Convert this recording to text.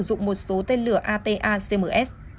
nga đã sử dụng một số tên lửa atacms